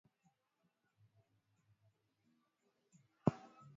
hayam hawezi kwenda kazi pamoja na yeye